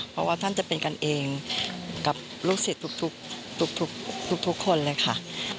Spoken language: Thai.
เพราะว่าท่านจะเป็นกันเองกับลูกศิษย์ทุกทุกทุกทุกทุกคนเลยค่ะ